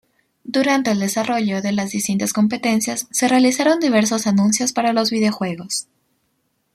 Durante el desarrollo de las distintas competencias se realizaron diversos anuncios para los videojuegos.